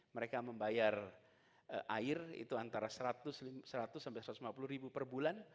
mereka membayar air itu antara seratus sampai satu ratus lima puluh ribu per bulan